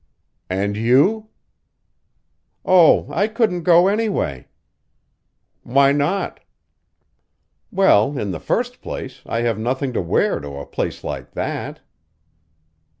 "And you?" "Oh, I couldn't go anyway." "Why not?" "Well, in the first place, I have nothing to wear to a place like that."